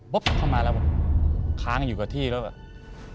เข้ามาแล้วผมค้างอยู่กับที่แล้วแบบ